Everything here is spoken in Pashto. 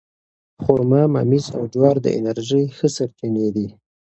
خرما، ممیز او جوار د انرژۍ ښه سرچینې دي.